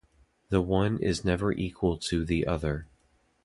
The one is never equal to the other.